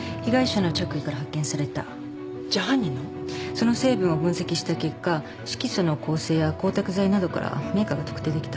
その成分を分析した結果色素の構成や光沢剤などからメーカーが特定できた。